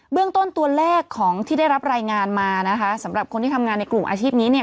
เรื่องต้นตัวเลขของที่ได้รับรายงานมานะคะสำหรับคนที่ทำงานในกลุ่มอาชีพนี้เนี่ย